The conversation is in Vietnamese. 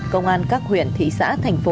công an các huyện thị xã thành phố